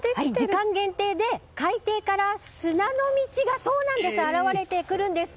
時間限定で、海底から砂の道が現れてくるんです。